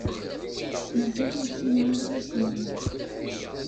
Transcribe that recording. Mazal ur ssineɣ ara isem-im.